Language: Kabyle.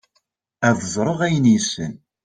ad ẓreɣ ayen yessen